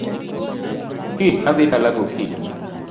Kiny adhi dala gokinyi